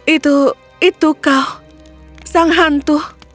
itu itu kau sang hantu